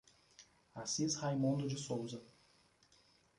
Assis Raimundo de Souza